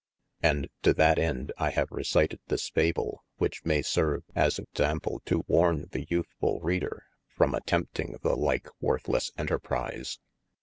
And to that ende I have recyted this Fable which maye serve as ensample to warne the youthfull reader from attempting the lyke worthies enter prise.